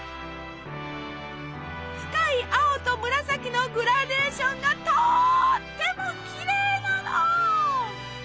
深い青と紫のグラデーションがとってもきれいなの！